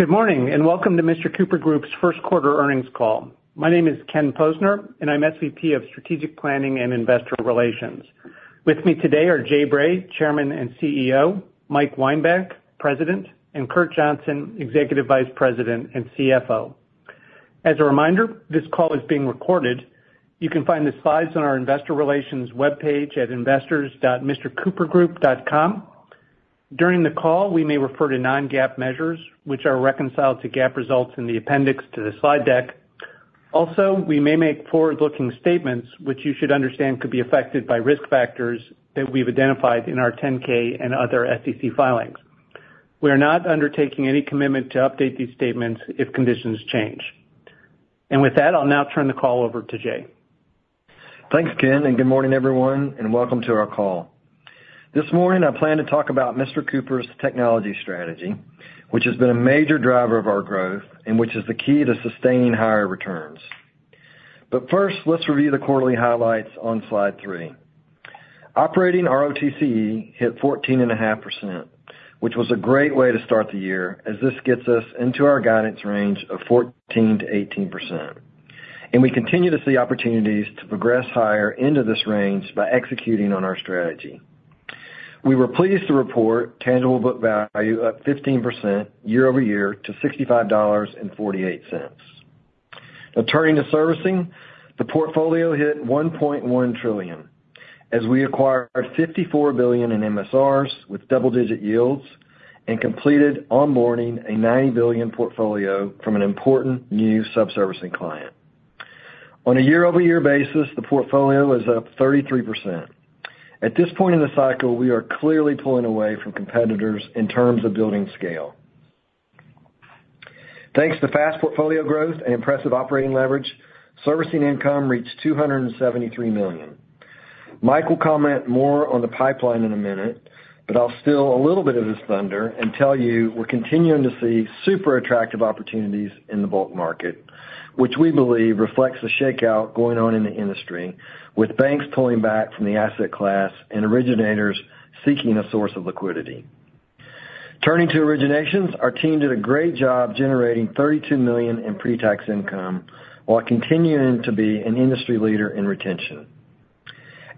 Good morning and welcome to Mr. Cooper Group's first quarter earnings call. My name is Ken Posner and I'm SVP of Strategic Planning and Investor Relations. With me today are Jay Bray, Chairman and CEO, Mike Weinbach, President, and Kurt Johnson, Executive Vice President and CFO. As a reminder, this call is being recorded. You can find the slides on our Investor Relations webpage at investors.mrcoopergroup.com. During the call, we may refer to non-GAAP measures, which are reconciled to GAAP results in the appendix to the slide deck. Also, we may make forward-looking statements which you should understand could be affected by risk factors that we've identified in our 10-K and other SEC filings. We are not undertaking any commitment to update these statements if conditions change. With that, I'll now turn the call over to Jay. Thanks, Ken, and good morning everyone, and welcome to our call. This morning I plan to talk about Mr. Cooper's technology strategy, which has been a major driver of our growth and which is the key to sustaining higher returns. But first, let's review the quarterly highlights on slide three. Operating ROTCE hit 14.5%, which was a great way to start the year as this gets us into our guidance range of 14%-18%. And we continue to see opportunities to progress higher into this range by executing on our strategy. We were pleased to report tangible book value up 15% year-over-year to $65.48. Now turning to servicing, the portfolio hit $1.1 trillion as we acquired $54 billion in MSRs with double-digit yields and completed onboarding a $90 billion portfolio from an important new subservicing client. On a year-over-year basis, the portfolio is up 33%. At this point in the cycle, we are clearly pulling away from competitors in terms of building scale. Thanks to fast portfolio growth and impressive operating leverage, servicing income reached $273 million. Michael will comment more on the pipeline in a minute, but I'll steal a little bit of his thunder and tell you we're continuing to see super attractive opportunities in the bulk market, which we believe reflects the shakeout going on in the industry with banks pulling back from the asset class and originators seeking a source of liquidity. Turning to originations, our team did a great job generating $32 million in pre-tax income while continuing to be an industry leader in retention.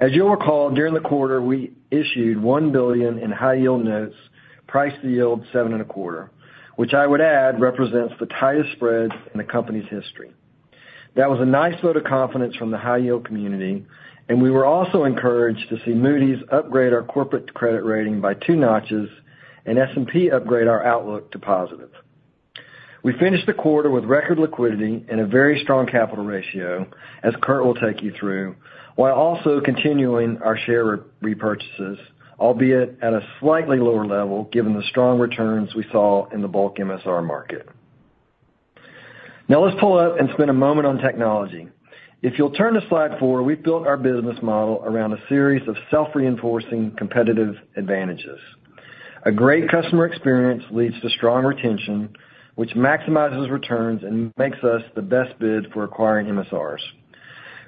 As you'll recall, during the quarter we issued $1 billion in high-yield notes priced to yield 7.25, which I would add represents the tightest spread in the company's history. That was a nice vote of confidence from the high-yield community, and we were also encouraged to see Moody's upgrade our corporate credit rating by 2 notches and S&P upgrade our outlook to positive. We finished the quarter with record liquidity and a very strong capital ratio, as Kurt will take you through, while also continuing our share repurchases, albeit at a slightly lower level given the strong returns we saw in the bulk MSR market. Now let's pull up and spend a moment on technology. If you'll turn to Slide 4, we've built our business model around a series of self-reinforcing competitive advantages. A great customer experience leads to strong retention, which maximizes returns and makes us the best bid for acquiring MSRs.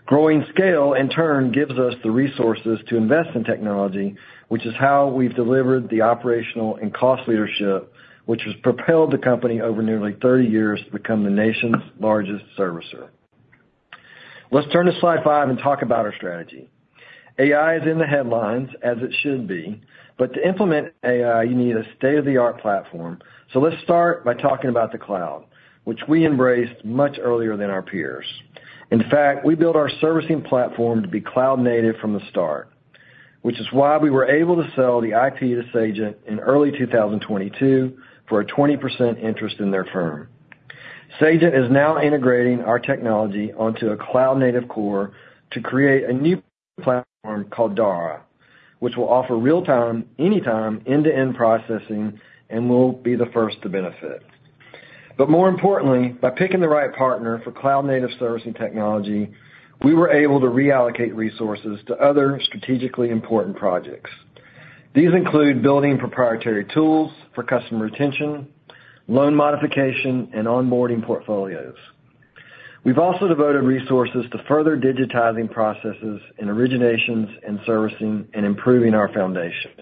Growing scale, in turn, gives us the resources to invest in technology, which is how we've delivered the operational and cost leadership, which has propelled the company over nearly 30 years to become the nation's largest servicer. Let's turn to slide 5 and talk about our strategy. AI is in the headlines as it should be, but to implement AI you need a state-of-the-art platform. So let's start by talking about the cloud, which we embraced much earlier than our peers. In fact, we built our servicing platform to be cloud-native from the start, which is why we were able to sell the IP to Sagent in early 2022 for a 20% interest in their firm. Sagent is now integrating our technology onto a cloud-native core to create a new platform called Dara, which will offer real-time, any-time, end-to-end processing and will be the first to benefit. But more importantly, by picking the right partner for cloud-native servicing technology, we were able to reallocate resources to other strategically important projects. These include building proprietary tools for customer retention, loan modification, and onboarding portfolios. We've also devoted resources to further digitizing processes in originations and servicing and improving our foundation.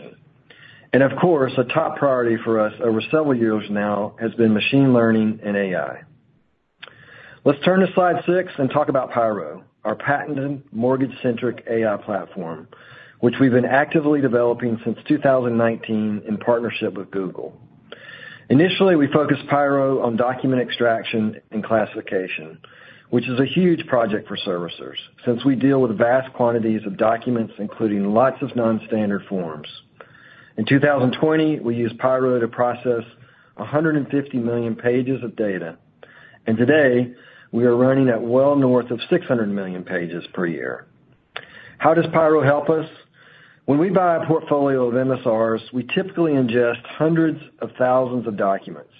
And of course, a top priority for us over several years now has been machine learning and AI. Let's turn to slide 6 and talk about Pyro, our patented mortgage-centric AI platform, which we've been actively developing since 2019 in partnership with Google. Initially, we focused Pyro on document extraction and classification, which is a huge project for servicers since we deal with vast quantities of documents including lots of non-standard forms. In 2020, we used Pyro to process 150 million pages of data, and today we are running at well north of 600 million pages per year. How does Pyro help us? When we buy a portfolio of MSRs, we typically ingest hundreds of thousands of documents.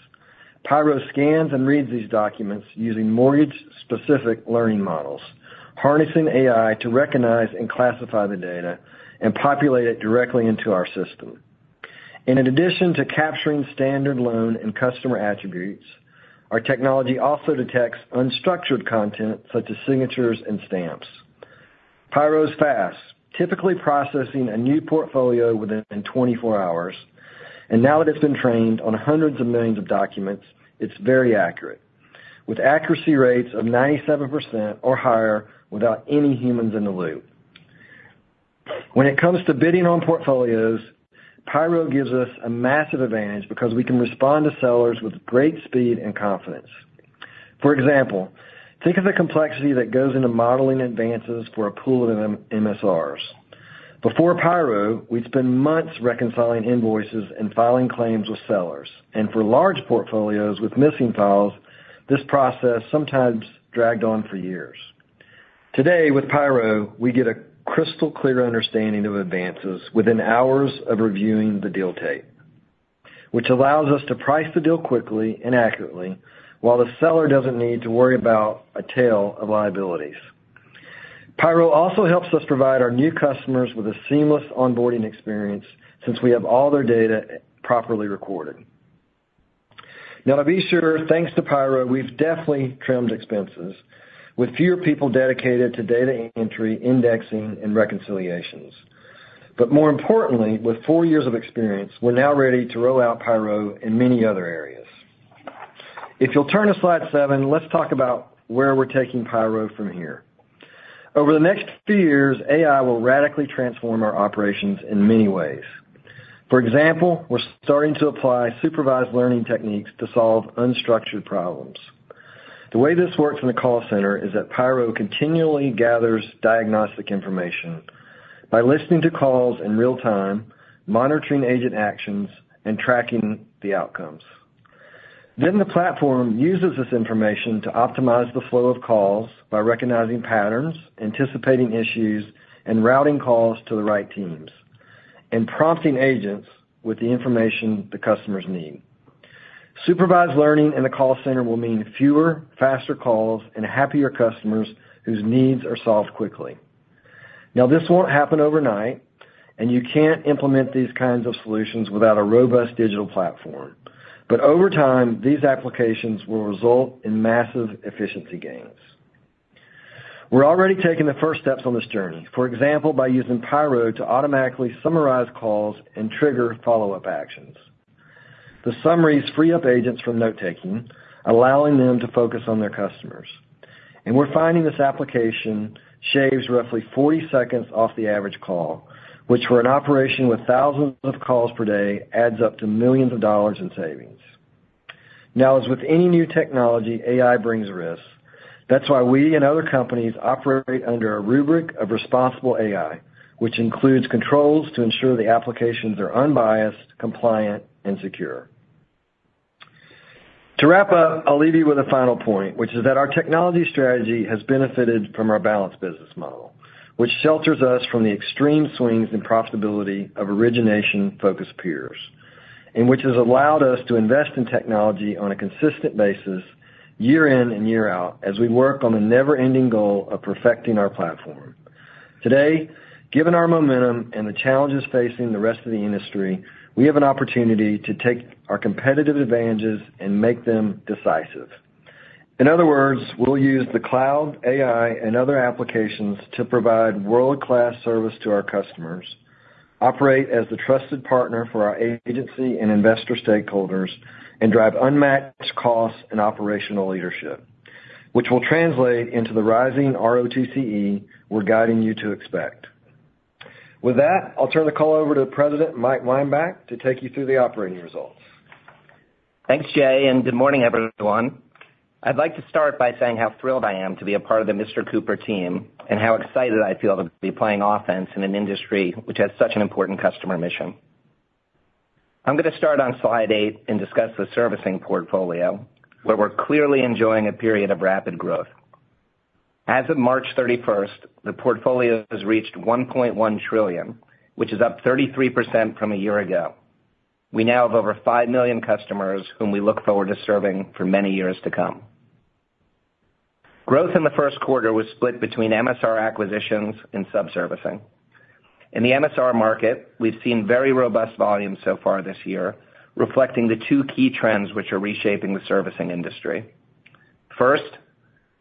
Pyro scans and reads these documents using mortgage-specific learning models, harnessing AI to recognize and classify the data and populate it directly into our system. And in addition to capturing standard loan and customer attributes, our technology also detects unstructured content such as signatures and stamps. Pyro is fast, typically processing a new portfolio within 24 hours, and now that it's been trained on hundreds of millions of documents, it's very accurate, with accuracy rates of 97% or higher without any humans in the loop. When it comes to bidding on portfolios, Pyro gives us a massive advantage because we can respond to sellers with great speed and confidence. For example, think of the complexity that goes into modeling advances for a pool of MSRs. Before Pyro, we'd spend months reconciling invoices and filing claims with sellers, and for large portfolios with missing files, this process sometimes dragged on for years. Today, with Pyro, we get a crystal-clear understanding of advances within hours of reviewing the deal tape, which allows us to price the deal quickly and accurately while the seller doesn't need to worry about a tail of liabilities. Pyro also helps us provide our new customers with a seamless onboarding experience since we have all their data properly recorded. Now, to be sure, thanks to Pyro, we've definitely trimmed expenses with fewer people dedicated to data entry, indexing, and reconciliations. But more importantly, with four years of experience, we're now ready to roll out Pyro in many other areas. If you'll turn to slide seven, let's talk about where we're taking Pyro from here. Over the next few years, AI will radically transform our operations in many ways. For example, we're starting to apply supervised learning techniques to solve unstructured problems. The way this works in the call center is that Pyro continually gathers diagnostic information by listening to calls in real-time, monitoring agent actions, and tracking the outcomes. Then the platform uses this information to optimize the flow of calls by recognizing patterns, anticipating issues, and routing calls to the right teams, and prompting agents with the information the customers need. Supervised learning in the call center will mean fewer, faster calls, and happier customers whose needs are solved quickly. Now, this won't happen overnight, and you can't implement these kinds of solutions without a robust digital platform. But over time, these applications will result in massive efficiency gains. We're already taking the first steps on this journey, for example, by using Pyro to automatically summarize calls and trigger follow-up actions. The summaries free up agents from note-taking, allowing them to focus on their customers. And we're finding this application shaves roughly 40 seconds off the average call, which for an operation with thousands of calls per day adds up to $ millions in savings. Now, as with any new technology, AI brings risks. That's why we and other companies operate under a rubric of responsible AI, which includes controls to ensure the applications are unbiased, compliant, and secure. To wrap up, I'll leave you with a final point, which is that our technology strategy has benefited from our balanced business model, which shelters us from the extreme swings in profitability of origination-focused peers, and which has allowed us to invest in technology on a consistent basis year in and year out as we work on the never-ending goal of perfecting our platform. Today, given our momentum and the challenges facing the rest of the industry, we have an opportunity to take our competitive advantages and make them decisive. In other words, we'll use the cloud, AI, and other applications to provide world-class service to our customers, operate as the trusted partner for our agency and investor stakeholders, and drive unmatched costs and operational leadership, which will translate into the rising ROTCE we're guiding you to expect. With that, I'll turn the call over to President Mike Weinbach to take you through the operating results. Thanks, Jay, and good morning, everyone. I'd like to start by saying how thrilled I am to be a part of the Mr. Cooper team and how excited I feel to be playing offense in an industry which has such an important customer mission. I'm going to start on Slide 8 and discuss the servicing portfolio, where we're clearly enjoying a period of rapid growth. As of March 31st, the portfolio has reached $1.1 trillion, which is up 33% from a year ago. We now have over 5 million customers whom we look forward to serving for many years to come. Growth in the first quarter was split between MSR acquisitions and subservicing. In the MSR market, we've seen very robust volume so far this year, reflecting the two key trends which are reshaping the servicing industry. First,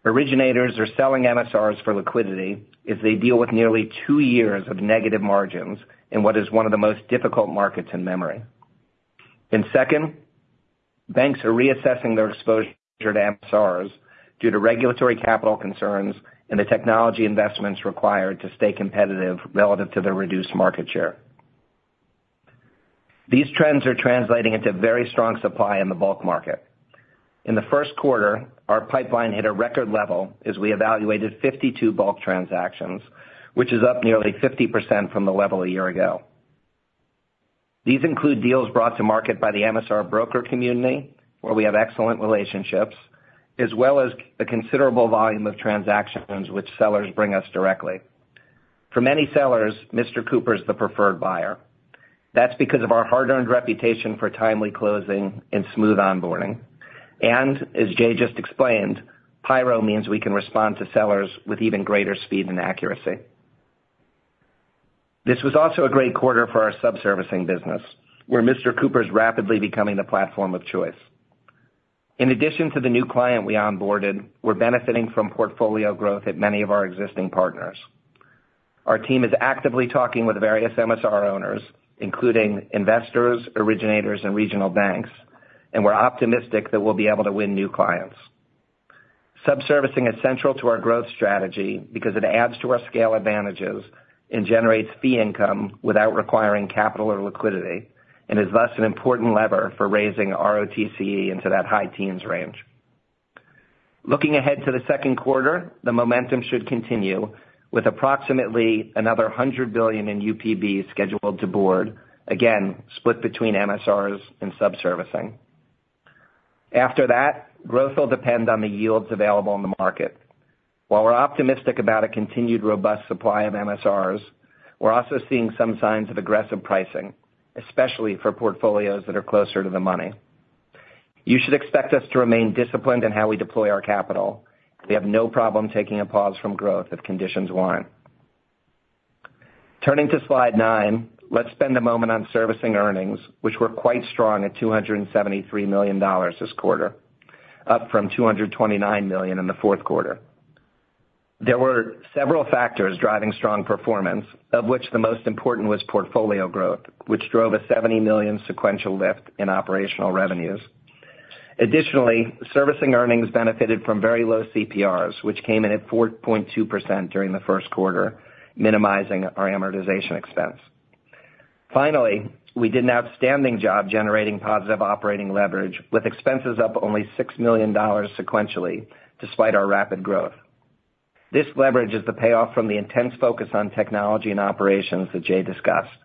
originators are selling MSRs for liquidity as they deal with nearly two years of negative margins in what is one of the most difficult markets in memory. Second, banks are reassessing their exposure to MSRs due to regulatory capital concerns and the technology investments required to stay competitive relative to their reduced market share. These trends are translating into very strong supply in the bulk market. In the first quarter, our pipeline hit a record level as we evaluated 52 bulk transactions, which is up nearly 50% from the level a year ago. These include deals brought to market by the MSR broker community, where we have excellent relationships, as well as a considerable volume of transactions which sellers bring us directly. For many sellers, Mr. Cooper is the preferred buyer. That's because of our hard-earned reputation for timely closing and smooth onboarding. And as Jay just explained, Pyro means we can respond to sellers with even greater speed and accuracy. This was also a great quarter for our subservicing business, where Mr. Cooper is rapidly becoming the platform of choice. In addition to the new client we onboarded, we're benefiting from portfolio growth at many of our existing partners. Our team is actively talking with various MSR owners, including investors, originators, and regional banks, and we're optimistic that we'll be able to win new clients. Subservicing is central to our growth strategy because it adds to our scale advantages and generates fee income without requiring capital or liquidity, and is thus an important lever for raising ROTCE into that high teens range. Looking ahead to the second quarter, the momentum should continue with approximately another $100 billion in UPB scheduled to board, again split between MSRs and subservicing. After that, growth will depend on the yields available in the market. While we're optimistic about a continued robust supply of MSRs, we're also seeing some signs of aggressive pricing, especially for portfolios that are closer to the money. You should expect us to remain disciplined in how we deploy our capital. We have no problem taking a pause from growth if conditions warrant. Turning to slide nine, let's spend a moment on servicing earnings, which were quite strong at $273 million this quarter, up from $229 million in the fourth quarter. There were several factors driving strong performance, of which the most important was portfolio growth, which drove a $70 million sequential lift in operational revenues. Additionally, servicing earnings benefited from very low CPRs, which came in at 4.2% during the first quarter, minimizing our amortization expense. Finally, we did an outstanding job generating positive operating leverage, with expenses up only $6 million sequentially despite our rapid growth. This leverage is the payoff from the intense focus on technology and operations that Jay discussed.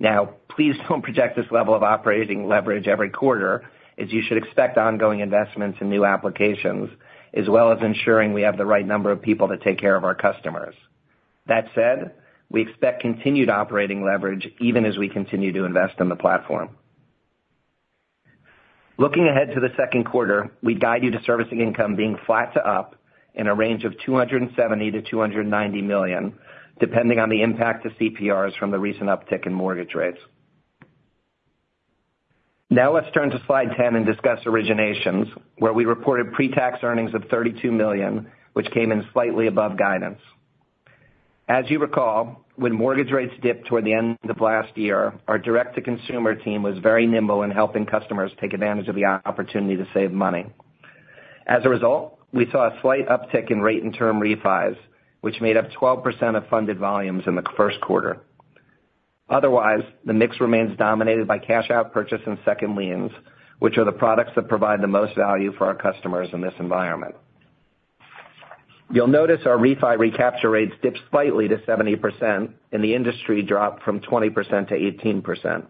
Now, please don't project this level of operating leverage every quarter as you should expect ongoing investments in new applications, as well as ensuring we have the right number of people to take care of our customers. That said, we expect continued operating leverage even as we continue to invest in the platform. Looking ahead to the second quarter, we'd guide you to servicing income being flat to up in a range of $270 million-$290 million, depending on the impact to CPRs from the recent uptick in mortgage rates. Now, let's turn to slide 10 and discuss originations, where we reported pre-tax earnings of $32 million, which came in slightly above guidance. As you recall, when mortgage rates dipped toward the end of last year, our direct-to-consumer team was very nimble in helping customers take advantage of the opportunity to save money. As a result, we saw a slight uptick in rate-and-term refis, which made up 12% of funded volumes in the first quarter. Otherwise, the mix remains dominated by cash-out purchase and second liens, which are the products that provide the most value for our customers in this environment. You'll notice our refi recapture rates dipped slightly to 70%, and the industry dropped from 20%-18%.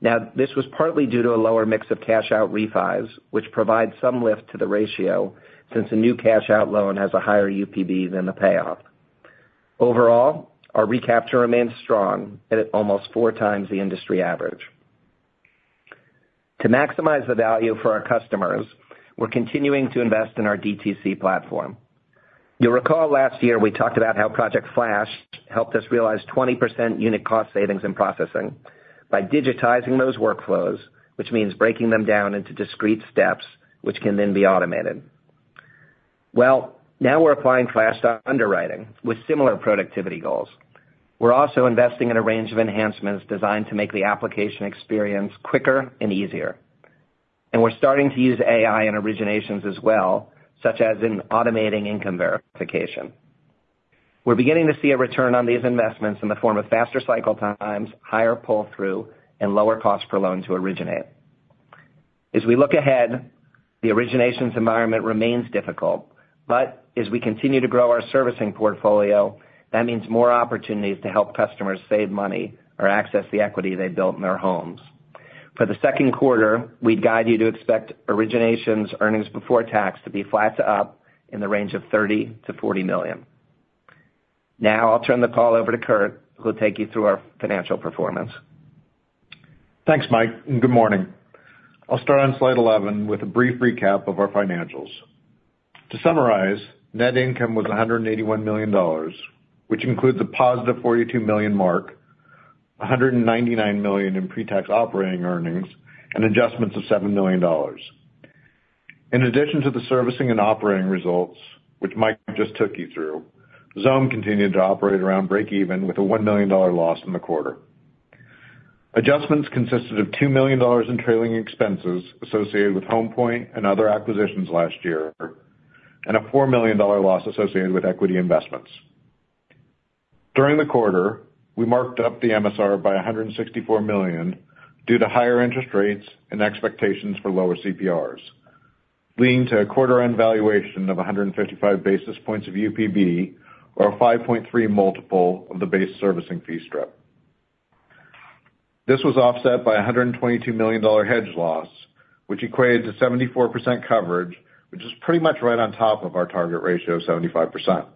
Now, this was partly due to a lower mix of cash-out refis, which provide some lift to the ratio since a new cash-out loan has a higher UPB than the payoff. Overall, our recapture remains strong at almost four times the industry average. To maximize the value for our customers, we're continuing to invest in our DTC platform. You'll recall last year we talked about how Project Flash helped us realize 20% unit cost savings in processing by digitizing those workflows, which means breaking them down into discrete steps, which can then be automated. Well, now we're applying Flash to underwriting with similar productivity goals. We're also investing in a range of enhancements designed to make the application experience quicker and easier. And we're starting to use AI in originations as well, such as in automating income verification. We're beginning to see a return on these investments in the form of faster cycle times, higher pull-through, and lower cost per loan to originate. As we look ahead, the originations environment remains difficult, but as we continue to grow our servicing portfolio, that means more opportunities to help customers save money or access the equity they built in their homes. For the second quarter, we'd guide you to expect originations earnings before tax to be flat to up in the range of $30 million-$40 million. Now, I'll turn the call over to Kurt, who'll take you through our financial performance. Thanks, Mike, and good morning. I'll start on slide 11 with a brief recap of our financials. To summarize, net income was $181 million, which includes a positive $42 million mark, $199 million in pre-tax operating earnings, and adjustments of $7 million. In addition to the servicing and operating results, which Mike just took you through, Xome continued to operate around break-even with a $1 million loss in the quarter. Adjustments consisted of $2 million in trailing expenses associated with Home Point and other acquisitions last year, and a $4 million loss associated with equity investments. During the quarter, we marked up the MSR by $164 million due to higher interest rates and expectations for lower CPRs, leading to a quarter-end valuation of 155 basis points of UPB, or a 5.3x multiple of the base servicing fee strip. This was offset by a $122 million hedge loss, which equated to 74% coverage, which is pretty much right on top of our target ratio of 75%.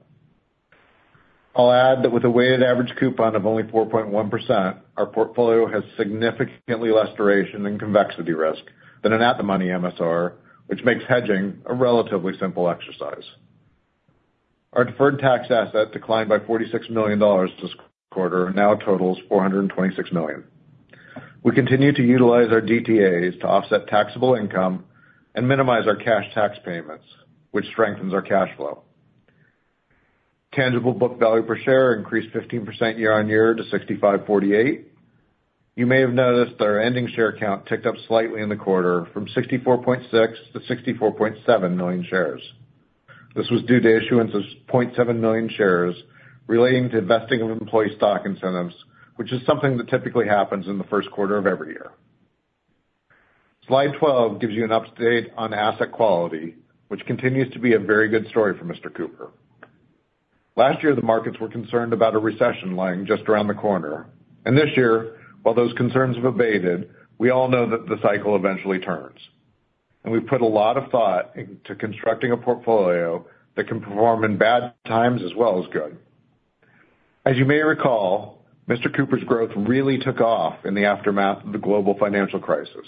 I'll add that with a weighted average coupon of only 4.1%, our portfolio has significantly less duration and convexity risk than an at-the-money MSR, which makes hedging a relatively simple exercise. Our deferred tax asset declined by $46 million this quarter and now totals $426 million. We continue to utilize our DTAs to offset taxable income and minimize our cash tax payments, which strengthens our cash flow. Tangible book value per share increased 15% year-over-year to $65.48. You may have noticed our ending share count ticked up slightly in the quarter from 64.6-64.7 million shares. This was due to issuance of 0.7 million shares relating to vesting of employee stock incentives, which is something that typically happens in the first quarter of every year. Slide 12 gives you an update on asset quality, which continues to be a very good story for Mr. Cooper. Last year, the markets were concerned about a recession lying just around the corner, and this year, while those concerns have abated, we all know that the cycle eventually turns. We've put a lot of thought into constructing a portfolio that can perform in bad times as well as good. As you may recall, Mr. Cooper's growth really took off in the aftermath of the global financial crisis,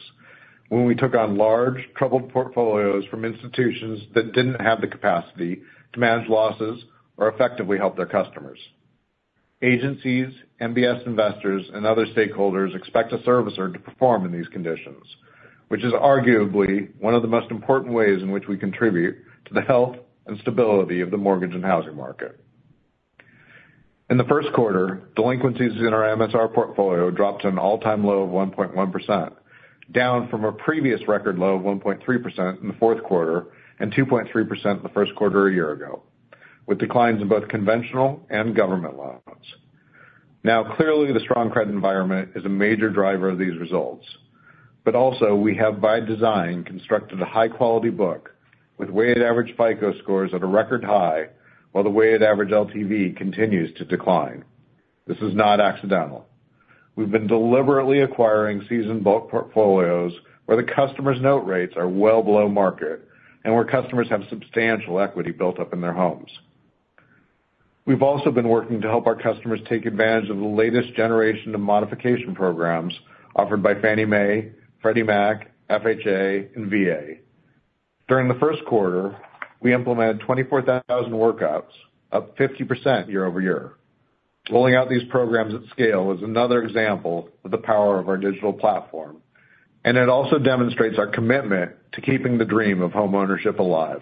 when we took on large, troubled portfolios from institutions that didn't have the capacity to manage losses or effectively help their customers. Agencies, MBS investors, and other stakeholders expect a servicer to perform in these conditions, which is arguably one of the most important ways in which we contribute to the health and stability of the mortgage and housing market. In the first quarter, delinquencies in our MSR portfolio dropped to an all-time low of 1.1%, down from a previous record low of 1.3% in the fourth quarter and 2.3% in the first quarter a year ago, with declines in both conventional and government loans. Now, clearly, the strong credit environment is a major driver of these results. But also, we have by design constructed a high-quality book with weighted average FICO scores at a record high while the weighted average LTV continues to decline. This is not accidental. We've been deliberately acquiring seasoned bulk portfolios where the customers' note rates are well below market and where customers have substantial equity built up in their homes. We've also been working to help our customers take advantage of the latest generation of modification programs offered by Fannie Mae, Freddie Mac, FHA, and VA. During the first quarter, we implemented 24,000 workouts, up 50% year-over-year. Rolling out these programs at scale is another example of the power of our digital platform, and it also demonstrates our commitment to keeping the dream of homeownership alive.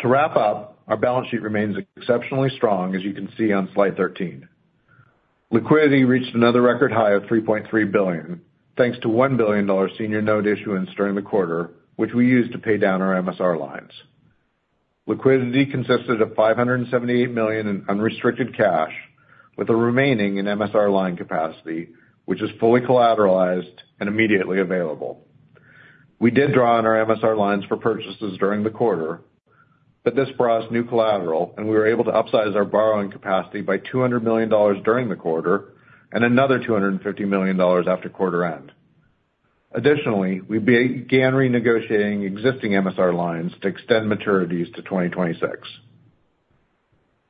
To wrap up, our balance sheet remains exceptionally strong, as you can see on slide 13. Liquidity reached another record high of $3.3 billion, thanks to $1 billion senior note issuance during the quarter, which we used to pay down our MSR lines. Liquidity consisted of $578 million in unrestricted cash, with the remaining in MSR line capacity, which is fully collateralized and immediately available. We did draw on our MSR lines for purchases during the quarter, but this brought us new collateral, and we were able to upsize our borrowing capacity by $200 million during the quarter and another $250 million after quarter end. Additionally, we began renegotiating existing MSR lines to extend maturities to 2026.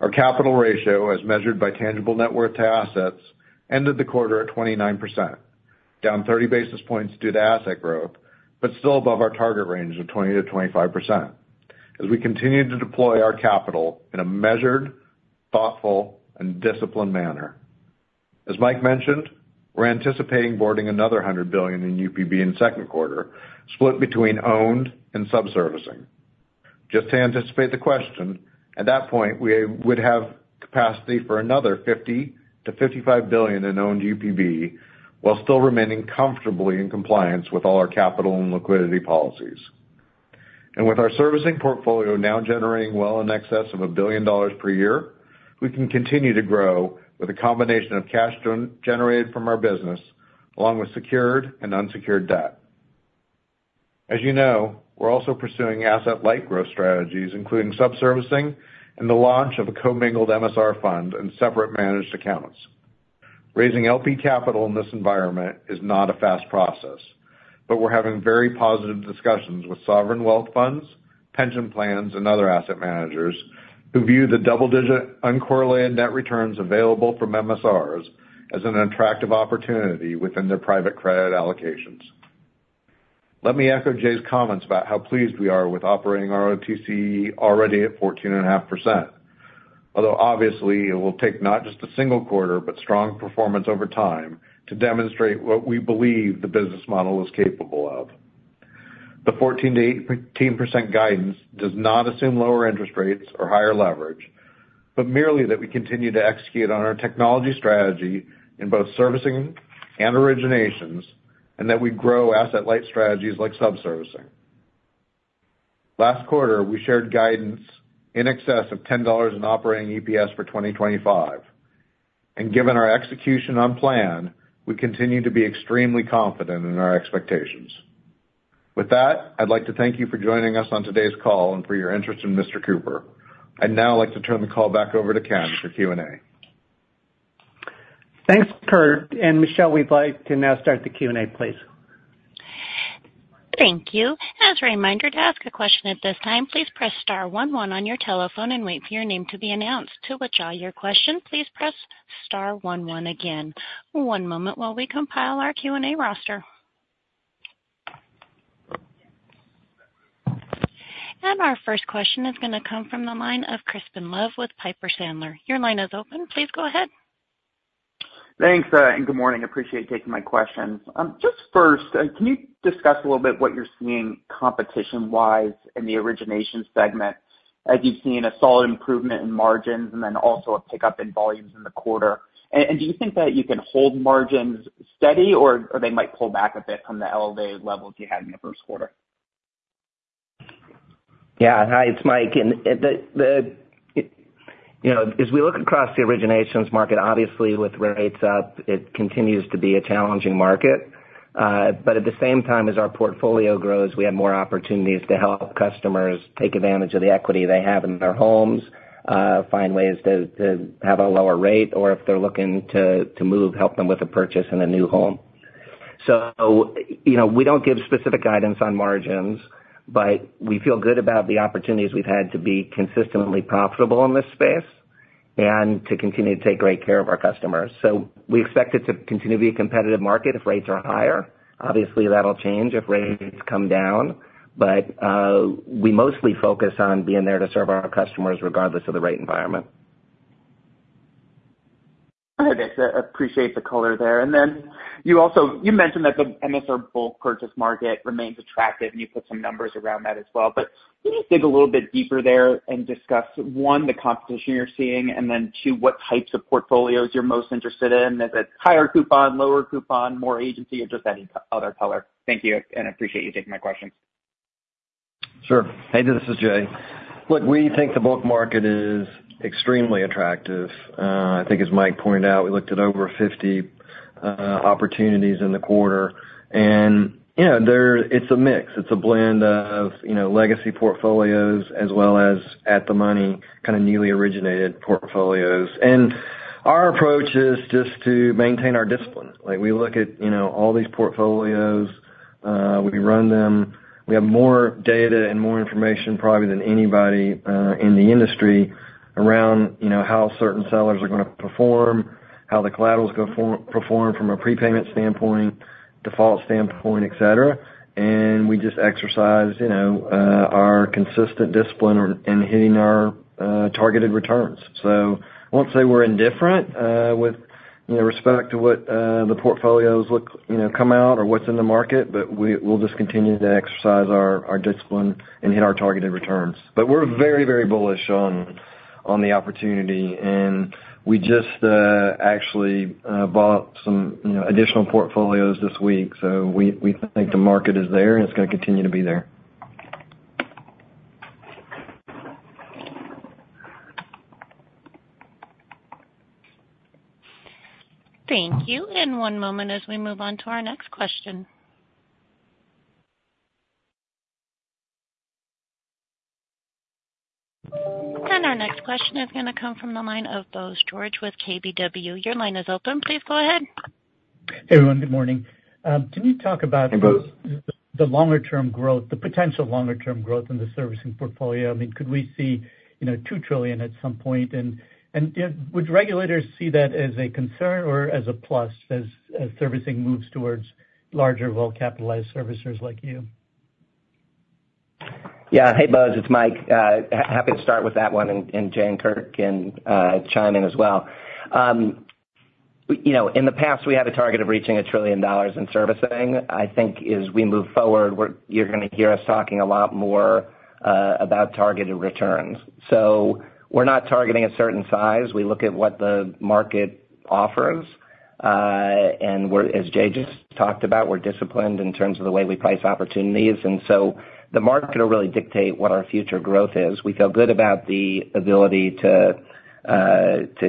Our capital ratio, as measured by tangible net worth to assets, ended the quarter at 29%, down 30 basis points due to asset growth, but still above our target range of 20%-25%, as we continue to deploy our capital in a measured, thoughtful, and disciplined manner. As Mike mentioned, we're anticipating boarding another $100 billion in UPB in second quarter, split between owned and subservicing. Just to anticipate the question, at that point, we would have capacity for another $50-$55 billion in owned UPB while still remaining comfortably in compliance with all our capital and liquidity policies. With our servicing portfolio now generating well in excess of $1 billion per year, we can continue to grow with a combination of cash generated from our business along with secured and unsecured debt. As you know, we're also pursuing asset-light growth strategies, including subservicing and the launch of a co-mingled MSR fund and separate managed accounts. Raising LP capital in this environment is not a fast process, but we're having very positive discussions with sovereign wealth funds, pension plans, and other asset managers who view the double-digit uncorrelated net returns available from MSRs as an attractive opportunity within their private credit allocations. Let me echo Jay's comments about how pleased we are with operating our ROTCE already at 14.5%, although obviously, it will take not just a single quarter but strong performance over time to demonstrate what we believe the business model is capable of. The 14%-18% guidance does not assume lower interest rates or higher leverage, but merely that we continue to execute on our technology strategy in both servicing and originations, and that we grow asset-light strategies like subservicing. Last quarter, we shared guidance in excess of $10 in operating EPS for 2025. Given our execution on plan, we continue to be extremely confident in our expectations. With that, I'd like to thank you for joining us on today's call and for your interest in Mr. Cooper. I'd now like to turn the call back over to Ken for Q&A. Thanks, Kurt. Michelle, we'd like to now start the Q&A, please. Thank you. As a reminder to ask a question at this time, please press star 11 on your telephone and wait for your name to be announced. To withdraw your question, please press star 11 again. One moment while we compile our Q&A roster. Our first question is going to come from the line of Crispin Love with Piper Sandler. Your line is open. Please go ahead. Thanks and good morning. Appreciate taking my questions. Just first, can you discuss a little bit what you're seeing competition-wise in the origination segment? As you've seen a solid improvement in margins and then also a pickup in volumes in the quarter. Do you think that you can hold margins steady, or they might pull back a bit from the elevated levels you had in the first quarter? Yeah, hi, it's Mike. And as we look across the originations market, obviously, with rates up, it continues to be a challenging market. But at the same time, as our portfolio grows, we have more opportunities to help customers take advantage of the equity they have in their homes, find ways to have a lower rate, or if they're looking to move, help them with a purchase in a new home. So we don't give specific guidance on margins, but we feel good about the opportunities we've had to be consistently profitable in this space and to continue to take great care of our customers. So we expect it to continue to be a competitive market if rates are higher. Obviously, that'll change if rates come down, but we mostly focus on being there to serve our customers regardless of the rate environment. All right, I appreciate the color there. And then you mentioned that the MSR bulk purchase market remains attractive, and you put some numbers around that as well. But can you dig a little bit deeper there and discuss, 1, the competition you're seeing, and then, 2, what types of portfolios you're most interested in? Is it higher coupon, lower coupon, more agency, or just any other color? Thank you, and I appreciate you taking my questions. Sure. Hey, this is Jay. Look, we think the bulk market is extremely attractive. I think, as Mike pointed out, we looked at over 50 opportunities in the quarter. It's a mix. It's a blend of legacy portfolios as well as at-the-money kind of newly originated portfolios. Our approach is just to maintain our discipline. We look at all these portfolios. We run them. We have more data and more information probably than anybody in the industry around how certain sellers are going to perform, how the collaterals perform from a prepayment standpoint, default standpoint, etc. We just exercise our consistent discipline in hitting our targeted returns. So I won't say we're indifferent with respect to what the portfolios come out or what's in the market, but we'll just continue to exercise our discipline and hit our targeted returns. We're very, very bullish on the opportunity, and we just actually bought some additional portfolios this week. We think the market is there, and it's going to continue to be there. Thank you. One moment as we move on to our next question. Our next question is going to come from the line of Bose George with KBW. Your line is open. Please go ahead. Hey, everyone. Good morning. Can you talk about. Hey, Bose. The potential longer-term growth in the servicing portfolio? I mean, could we see $2 trillion at some point? And would regulators see that as a concern or as a plus as servicing moves towards larger, well-capitalized servicers like you? Yeah. Hey, Bose. It's Mike. Happy to start with that one, and Jay and Kurt can chime in as well. In the past, we had a target of reaching $1 trillion in servicing. I think as we move forward, you're going to hear us talking a lot more about targeted returns. So we're not targeting a certain size. We look at what the market offers. And as Jay just talked about, we're disciplined in terms of the way we price opportunities. And so the market will really dictate what our future growth is. We feel good about the ability to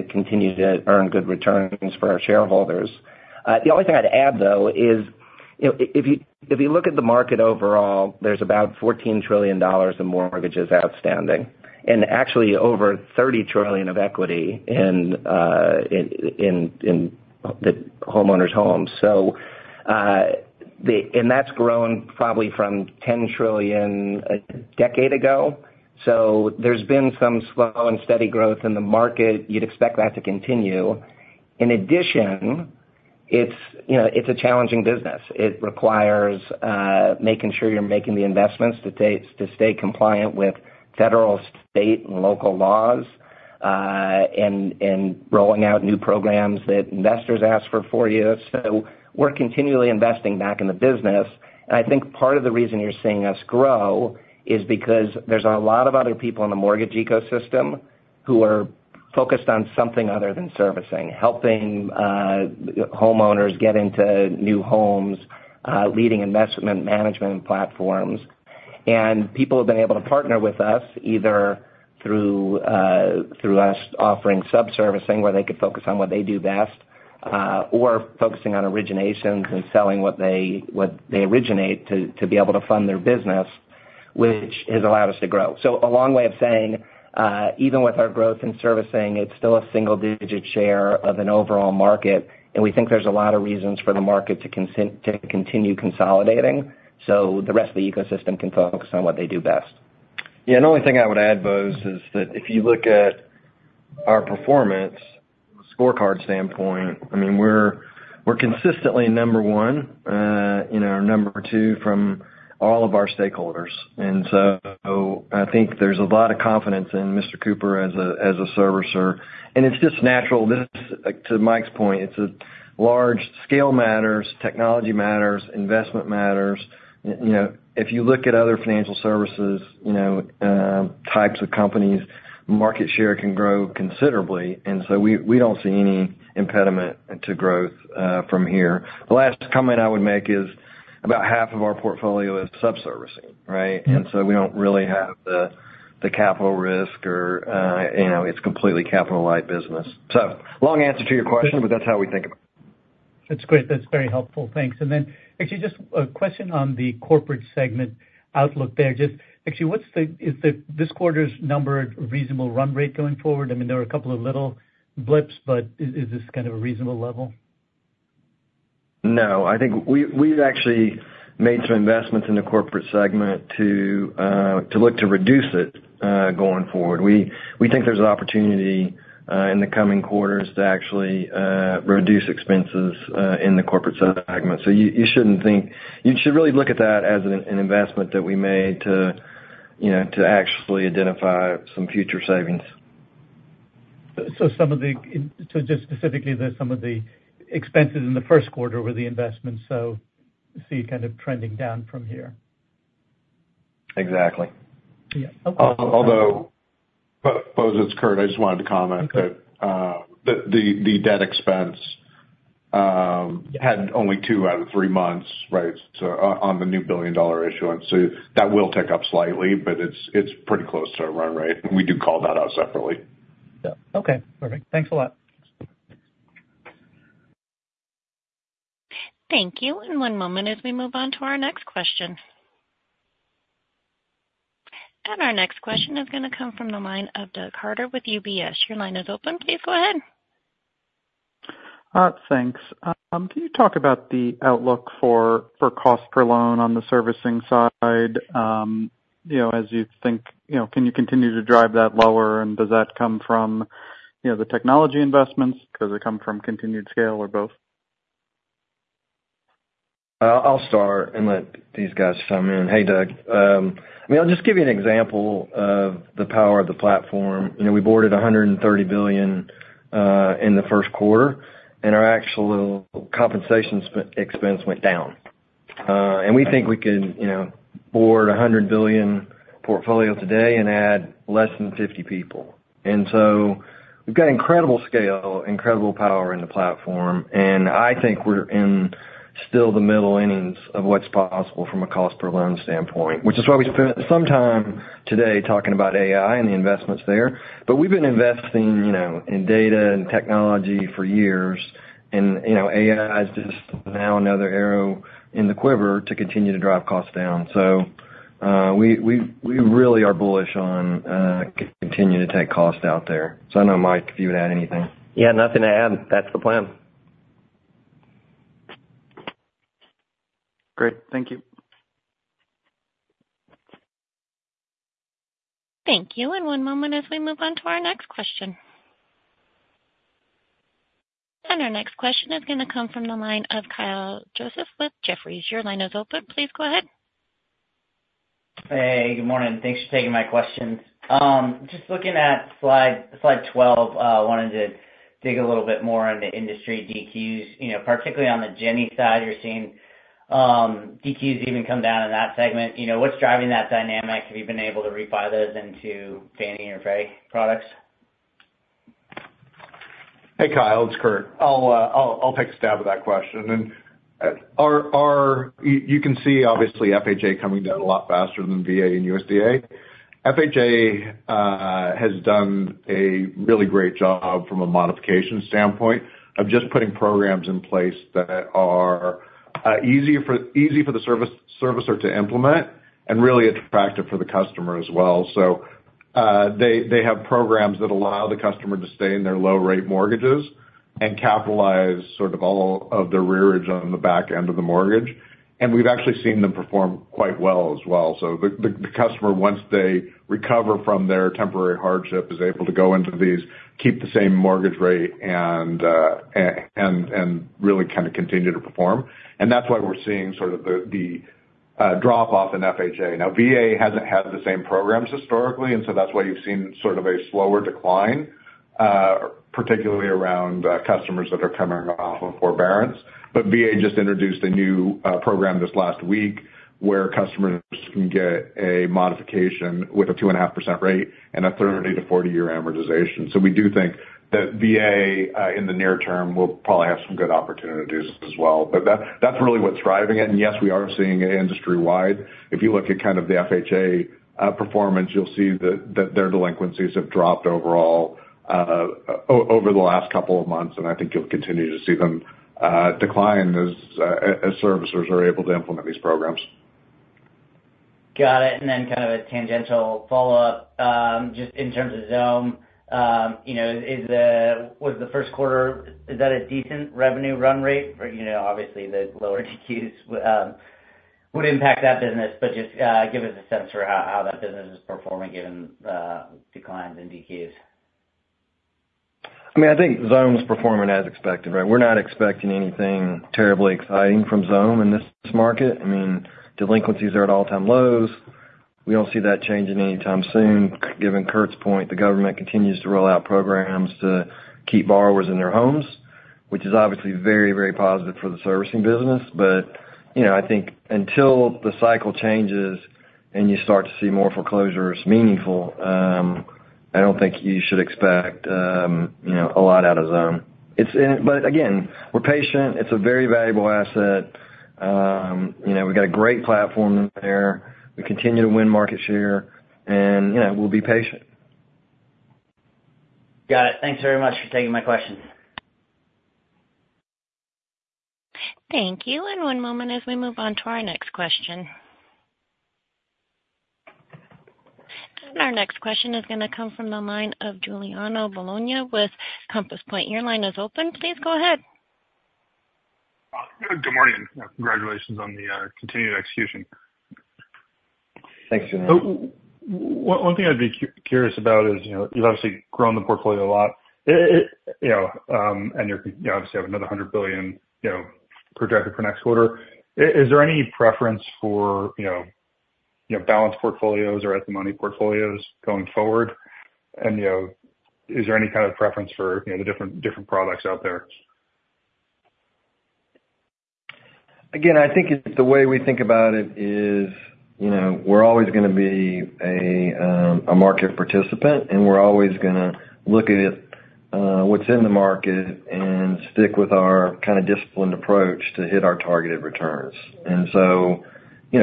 continue to earn good returns for our shareholders. The only thing I'd add, though, is if you look at the market overall, there's about $14 trillion in mortgages outstanding and actually over $30 trillion of equity in the homeowners' homes. That's grown probably from $10 trillion a decade ago. So there's been some slow and steady growth in the market. You'd expect that to continue. In addition, it's a challenging business. It requires making sure you're making the investments to stay compliant with federal, state, and local laws and rolling out new programs that investors ask for you. So we're continually investing back in the business. And I think part of the reason you're seeing us grow is because there's a lot of other people in the mortgage ecosystem who are focused on something other than servicing, helping homeowners get into new homes, lending investment management platforms. People have been able to partner with us either through us offering subservicing where they could focus on what they do best or focusing on originations and selling what they originate to be able to fund their business, which has allowed us to grow. A long way of saying, even with our growth in servicing, it's still a single-digit share of an overall market, and we think there's a lot of reasons for the market to continue consolidating so the rest of the ecosystem can focus on what they do best. Yeah. And the only thing I would add, Bose, is that if you look at our performance from a scorecard standpoint, I mean, we're consistently number one, number two from all of our stakeholders. And so I think there's a lot of confidence in Mr. Cooper as a servicer. And it's just natural. To Mike's point, it's a large scale matters, technology matters, investment matters. If you look at other financial services types of companies, market share can grow considerably. And so we don't see any impediment to growth from here. The last comment I would make is about half of our portfolio is subservicing, right? And so we don't really have the capital risk, or it's completely capital-light business. So long answer to your question, but that's how we think about it. That's great. That's very helpful. Thanks. And then actually, just a question on the corporate segment outlook there. Actually, is this quarter's number a reasonable run rate going forward? I mean, there were a couple of little blips, but is this kind of a reasonable level? No. I think we've actually made some investments in the corporate segment to look to reduce it going forward. We think there's an opportunity in the coming quarters to actually reduce expenses in the corporate segment. So you shouldn't think you should really look at that as an investment that we made to actually identify some future savings. So just specifically, there's some of the expenses in the first quarter were the investments. So see it kind of trending down from here. Exactly. Although, Bose, it's Kurt. I just wanted to comment that the debt expense had only two out of three months, right, on the new billion-dollar issuance. So that will tick up slightly, but it's pretty close to a run rate. We do call that out separately. Yeah. Okay. Perfect. Thanks a lot. Thank you. One moment as we move on to our next question. Our next question is going to come from the line of Doug Harter with UBS. Your line is open. Please go ahead. Thanks. Can you talk about the outlook for cost per loan on the servicing side as you think? Can you continue to drive that lower? And does that come from the technology investments? Does it come from continued scale or both? I'll start and let these guys chime in. Hey, Doug. I mean, I'll just give you an example of the power of the platform. We boarded $130 billion in the first quarter, and our actual compensation expense went down. And we think we could board $100 billion portfolio today and add less than 50 people. And so we've got incredible scale, incredible power in the platform. And I think we're in still the middle innings of what's possible from a cost per loan standpoint, which is why we spent some time today talking about AI and the investments there. But we've been investing in data and technology for years, and AI is just now another arrow in the quiver to continue to drive costs down. So we really are bullish on continuing to take cost out there. So I don't know, Mike, if you would add anything. Yeah, nothing to add. That's the plan. Great. Thank you. Thank you. One moment as we move on to our next question. Our next question is going to come from the line of Kyle Joseph with Jefferies. Your line is open. Please go ahead. Hey, good morning. Thanks for taking my questions. Just looking at slide 12, I wanted to dig a little bit more into industry DQs. Particularly on the Ginnie side, you're seeing DQs even come down in that segment. What's driving that dynamic? Have you been able to refi those into Fannie and Freddie products? Hey, Kyle. It's Kurt. I'll take a stab at that question. You can see, obviously, FHA coming down a lot faster than VA and USDA. FHA has done a really great job from a modification standpoint of just putting programs in place that are easy for the servicer to implement and really attractive for the customer as well. So they have programs that allow the customer to stay in their low-rate mortgages and capitalize sort of all of the arrearage on the back end of the mortgage. We've actually seen them perform quite well as well. So the customer, once they recover from their temporary hardship, is able to go into these, keep the same mortgage rate, and really kind of continue to perform. That's why we're seeing sort of the drop-off in FHA. Now, VA hasn't had the same programs historically, and so that's why you've seen sort of a slower decline, particularly around customers that are coming off of forbearance. But VA just introduced a new program this last week where customers can get a modification with a 2.5% rate and a 30-40-year amortization. So we do think that VA, in the near term, will probably have some good opportunities as well. But that's really what's driving it. And yes, we are seeing it industry-wide. If you look at kind of the FHA performance, you'll see that their delinquencies have dropped overall over the last couple of months, and I think you'll continue to see them decline as servicers are able to implement these programs. Got it. And then kind of a tangential follow-up, just in terms of Xome, was the first quarter? Is that a decent revenue run rate? Obviously, the lower DQs would impact that business, but just give us a sense for how that business is performing given declines in DQs. I mean, I think Xome's performing as expected, right? We're not expecting anything terribly exciting from Xome in this market. I mean, delinquencies are at all-time lows. We don't see that changing anytime soon. Given Kurt's point, the government continues to roll out programs to keep borrowers in their homes, which is obviously very, very positive for the servicing business. But I think until the cycle changes and you start to see more foreclosures meaningful, I don't think you should expect a lot out of Xome. But again, we're patient. It's a very valuable asset. We've got a great platform in there. We continue to win market share, and we'll be patient. Got it. Thanks very much for taking my questions. Thank you. One moment as we move on to our next question. Our next question is going to come from the line of Giuliano Bologna with Compass Point. Your line is open. Please go ahead. Good morning. Congratulations on the continued execution. Thanks, Giuliano. One thing I'd be curious about is you've obviously grown the portfolio a lot, and you obviously have another $100 billion projected for next quarter. Is there any preference for balanced portfolios or at-the-money portfolios going forward? And is there any kind of preference for the different products out there? Again, I think the way we think about it is we're always going to be a market participant, and we're always going to look at what's in the market and stick with our kind of disciplined approach to hit our targeted returns. And so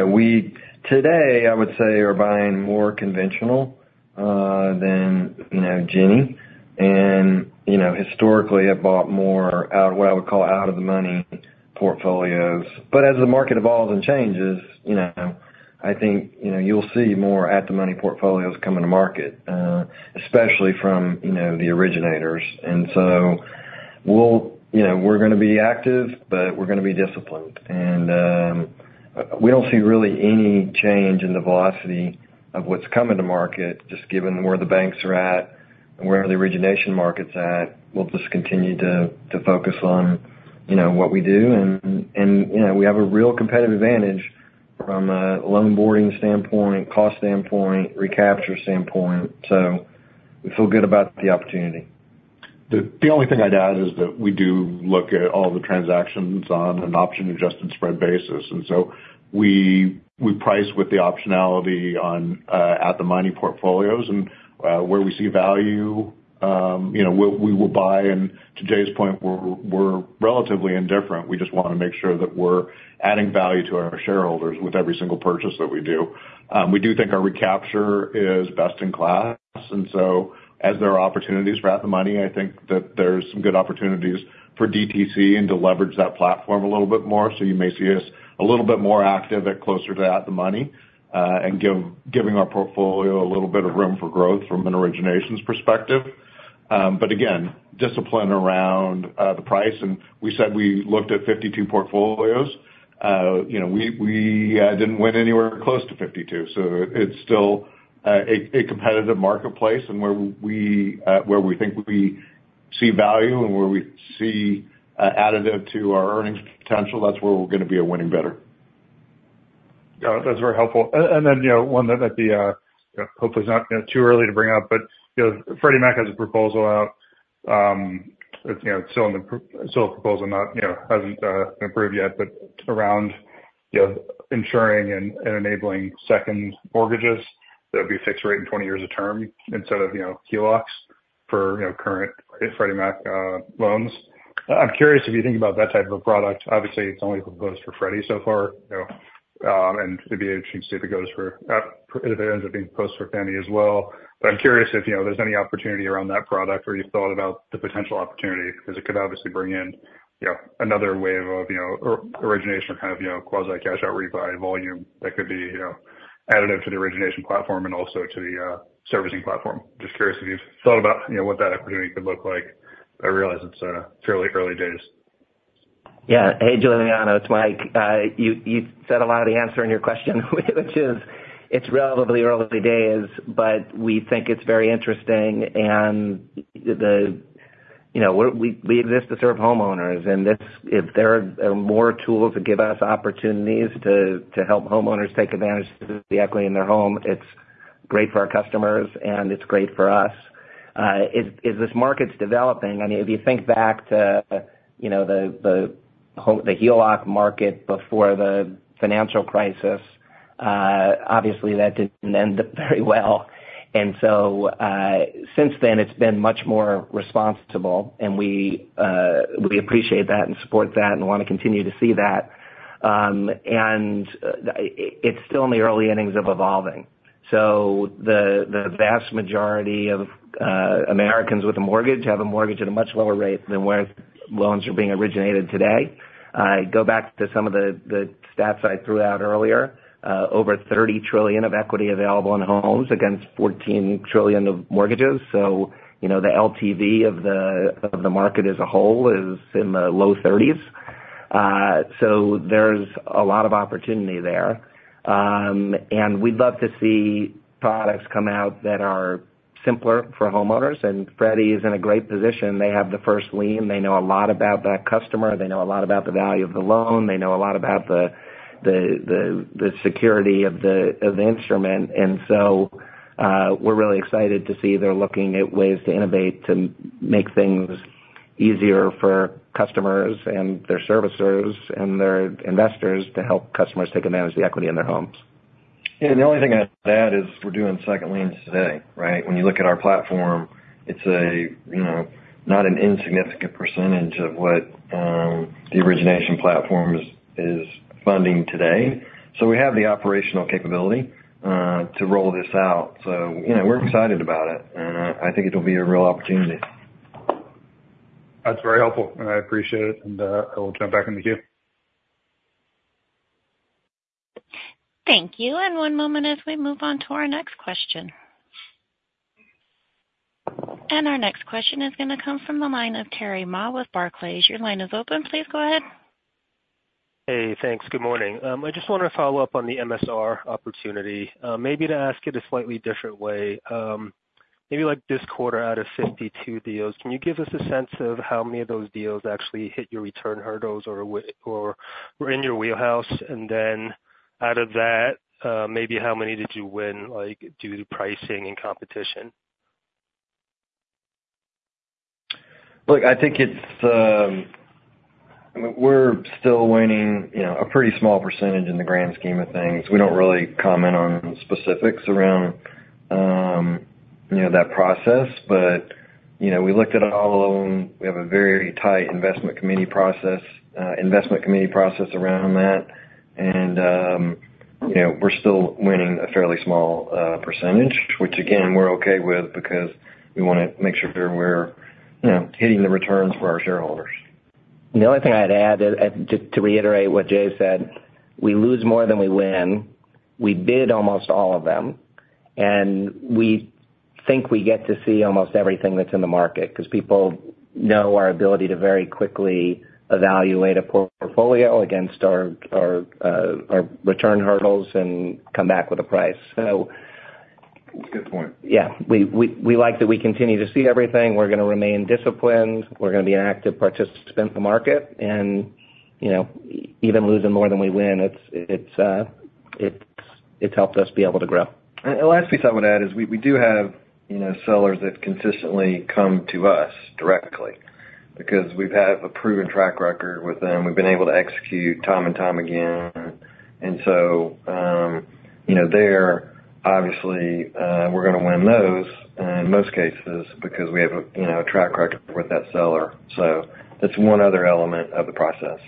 we, today, I would say, are buying more conventional than Ginnie. And historically, I've bought more out of what I would call out-of-the-money portfolios. But as the market evolves and changes, I think you'll see more at-the-money portfolios come into market, especially from the originators. And so we're going to be active, but we're going to be disciplined. And we don't see really any change in the velocity of what's coming to market, just given where the banks are at and where the origination market's at. We'll just continue to focus on what we do. We have a real competitive advantage from a loan boarding standpoint, cost standpoint, recapture standpoint. We feel good about the opportunity. The only thing I'd add is that we do look at all the transactions on an option-adjusted spread basis. So we price with the optionality at-the-money portfolios. Where we see value, we will buy. To Jay's point, we're relatively indifferent. We just want to make sure that we're adding value to our shareholders with every single purchase that we do. We do think our recapture is best in class. So as there are opportunities for at-the-money, I think that there's some good opportunities for DTC to leverage that platform a little bit more. You may see us a little bit more active closer to at-the-money and giving our portfolio a little bit of room for growth from an originations perspective. But again, discipline around the price. And we said we looked at 52 portfolios. We didn't win anywhere close to 52. So it's still a competitive marketplace. And where we think we see value and where we see additive to our earnings potential, that's where we're going to be a winning bidder. Got it. That's very helpful. And then one that I hope is not too early to bring up, but Freddie Mac has a proposal out. It's still a proposal, hasn't been approved yet, but around ensuring and enabling second mortgages that would be fixed rate in 20 years of term instead of HELOCs for current Freddie Mac loans. I'm curious if you think about that type of a product. Obviously, it's only proposed for Freddie so far. And it'd be an interesting state if it ends up being proposed for Fannie as well. But I'm curious if there's any opportunity around that product or you've thought about the potential opportunity because it could obviously bring in another wave of origination or kind of quasi-cash-out refi volume that could be additive to the origination platform and also to the servicing platform. Just curious if you've thought about what that opportunity could look like. I realize it's fairly early days. Yeah. Hey, Giuliano. It's Mike. You said a lot of the answer in your question, which is it's relatively early days, but we think it's very interesting. And we exist to serve homeowners. And if there are more tools that give us opportunities to help homeowners take advantage of the equity in their home, it's great for our customers, and it's great for us. As this market's developing, I mean, if you think back to the HELOC market before the financial crisis, obviously, that didn't end up very well. And so since then, it's been much more responsible. And we appreciate that and support that and want to continue to see that. And it's still in the early innings of evolving. So the vast majority of Americans with a mortgage have a mortgage at a much lower rate than where loans are being originated today. Go back to some of the stats I threw out earlier. Over $30 trillion of equity available in homes against $14 trillion of mortgages. So the LTV of the market as a whole is in the low 30s%. So there's a lot of opportunity there. And we'd love to see products come out that are simpler for homeowners. And Freddie is in a great position. They have the first lien. They know a lot about that customer. They know a lot about the value of the loan. They know a lot about the security of the instrument. And so we're really excited to see they're looking at ways to innovate to make things easier for customers and their servicers and their investors to help customers take advantage of the equity in their homes. The only thing I'd add is we're doing second liens today, right? When you look at our platform, it's not an insignificant percentage of what the origination platform is funding today. We're excited about it. I think it'll be a real opportunity. That's very helpful. I appreciate it. I will jump back into the queue. Thank you. And one moment as we move on to our next question. And our next question is going to come from the line of Terry Ma with Barclays. Your line is open. Please go ahead. Hey. Thanks. Good morning. I just want to follow up on the MSR opportunity, maybe to ask it a slightly different way. Maybe this quarter, out of 52 deals, can you give us a sense of how many of those deals actually hit your return hurdles or were in your wheelhouse? And then out of that, maybe how many did you win due to pricing and competition? Look, I think it's—I mean, we're still winning a pretty small percentage in the grand scheme of things. We don't really comment on specifics around that process. But we looked at all of them. We have a very tight investment committee process around that. And we're still winning a fairly small percentage, which, again, we're okay with because we want to make sure we're hitting the returns for our shareholders. The only thing I'd add, just to reiterate what Jay said, we lose more than we win. We bid almost all of them. And we think we get to see almost everything that's in the market because people know our ability to very quickly evaluate a portfolio against our return hurdles and come back with a price. So. That's a good point. Yeah. We like that we continue to see everything. We're going to remain disciplined. We're going to be an active participant in the market. Even losing more than we win, it's helped us be able to grow. The last piece I would add is we do have sellers that consistently come to us directly because we've had a proven track record with them. We've been able to execute time and time again. And so there, obviously, we're going to win those in most cases because we have a track record with that seller. So that's one other element of the process.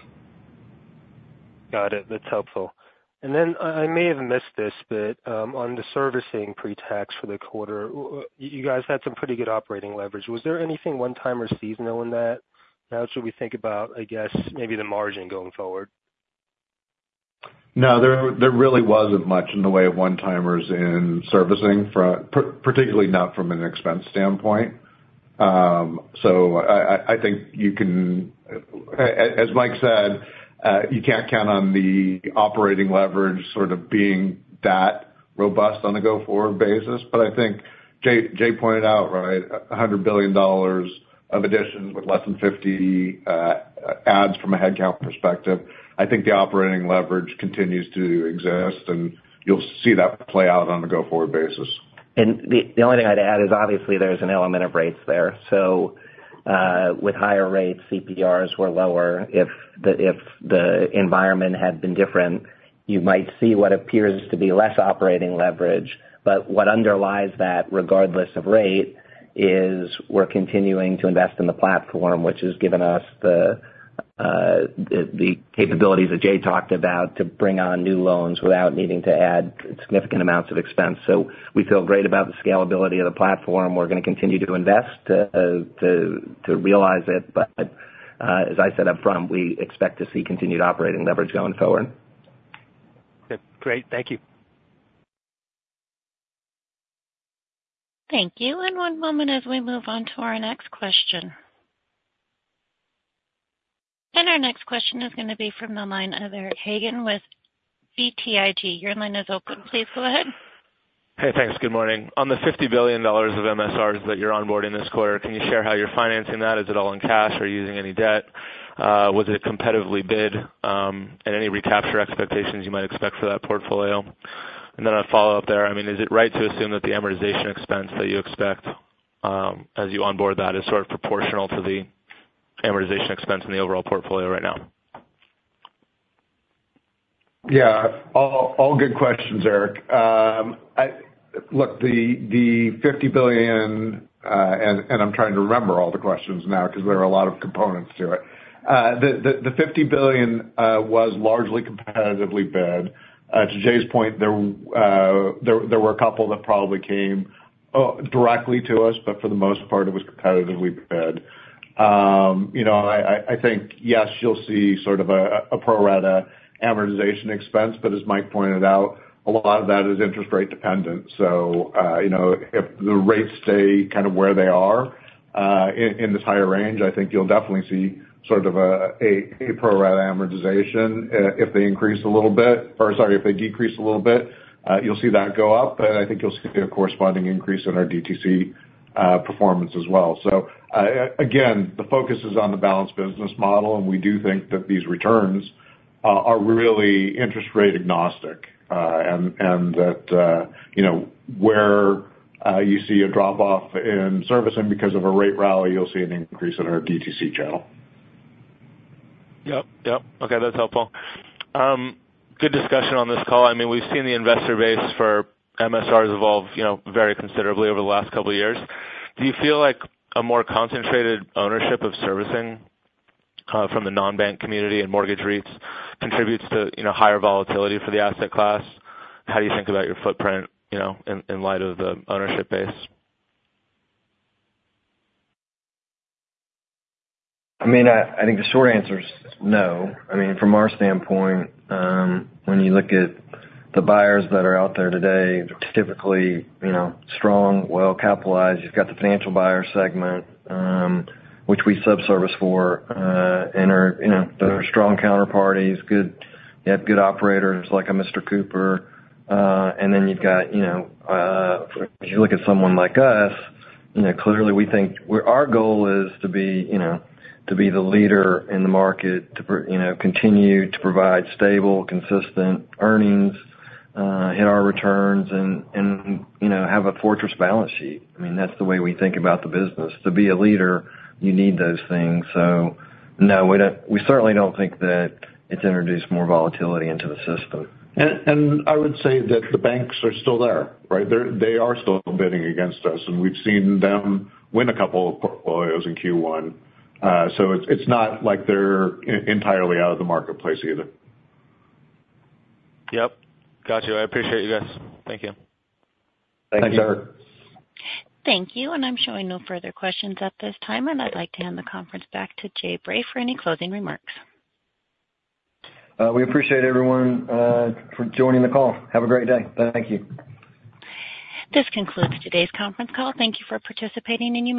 Got it. That's helpful. And then I may have missed this, but on the servicing pretax for the quarter, you guys had some pretty good operating leverage. Was there anything one-time or seasonal in that? Now, should we think about, I guess, maybe the margin going forward? No. There really wasn't much in the way of one-timers in servicing, particularly not from an expense standpoint. So I think you can, as Mike said, you can't count on the operating leverage sort of being that robust on a go-forward basis. But I think Jay pointed out, right, $100 billion of additions with less than 50 adds from a headcount perspective. I think the operating leverage continues to exist, and you'll see that play out on a go-forward basis. The only thing I'd add is, obviously, there's an element of rates there. So with higher rates, CPRs were lower. If the environment had been different, you might see what appears to be less operating leverage. But what underlies that, regardless of rate, is we're continuing to invest in the platform, which has given us the capabilities that Jay talked about to bring on new loans without needing to add significant amounts of expense. So we feel great about the scalability of the platform. We're going to continue to invest to realize it. But as I said upfront, we expect to see continued operating leverage going forward. Okay. Great. Thank you. Thank you. And one moment as we move on to our next question. And our next question is going to be from the line of Eric Hagen with BTIG. Your line is open. Please go ahead. Hey. Thanks. Good morning. On the $50 billion of MSRs that you're onboarding this quarter, can you share how you're financing that? Is it all in cash? Are you using any debt? Was it competitively bid? And any recapture expectations you might expect for that portfolio? And then a follow-up there. I mean, is it right to assume that the amortization expense that you expect as you onboard that is sort of proportional to the amortization expense in the overall portfolio right now? Yeah. All good questions, Eric. Look, the $50 billion was largely competitively bid. To Jay's point, there were a couple that probably came directly to us, but for the most part, it was competitively bid. I think, yes, you'll see sort of a pro-rata amortization expense. But as Mike pointed out, a lot of that is interest rate dependent. So if the rates stay kind of where they are in this higher range, I think you'll definitely see sort of a pro-rata amortization if they increase a little bit or, sorry, if they decrease a little bit. You'll see that go up. And I think you'll see a corresponding increase in our DTC performance as well. So again, the focus is on the balanced business model. We do think that these returns are really interest rate agnostic and that where you see a drop-off in servicing because of a rate rally, you'll see an increase in our DTC channel. Yep. Yep. Okay. That's helpful. Good discussion on this call. I mean, we've seen the investor base for MSRs evolve very considerably over the last couple of years. Do you feel like a more concentrated ownership of servicing from the non-bank community and mortgage REITs contributes to higher volatility for the asset class? How do you think about your footprint in light of the ownership base? I mean, I think the short answer is no. I mean, from our standpoint, when you look at the buyers that are out there today, they're typically strong, well-capitalized. You've got the financial buyer segment, which we sub-service for. And they're strong counterparties. You have good operators like a Mr. Cooper. And then you've got if you look at someone like us, clearly, we think our goal is to be the leader in the market, to continue to provide stable, consistent earnings, hit our returns, and have a fortress balance sheet. I mean, that's the way we think about the business. To be a leader, you need those things. So no, we certainly don't think that it's introduced more volatility into the system. I would say that the banks are still there, right? They are still bidding against us. We've seen them win a couple of portfolios in Q1. It's not like they're entirely out of the marketplace either. Yep. Got you. I appreciate you guys. Thank you. Thanks, Eric. Thank you. I'm showing no further questions at this time. I'd like to hand the conference back to Jay Bray for any closing remarks. We appreciate everyone for joining the call. Have a great day. Thank you. This concludes today's conference call. Thank you for participating in the.